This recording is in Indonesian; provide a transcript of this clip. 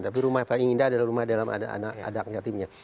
tapi rumah yang paling indah adalah rumah dalam ada anak yatimnya